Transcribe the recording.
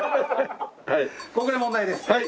ここで問題です。